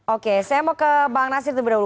oke saya mau ke bang nasir dulu